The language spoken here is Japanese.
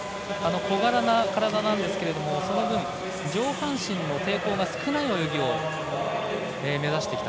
小柄な体なんですけどその分、上半身の抵抗が少ない泳ぎを目指してきた。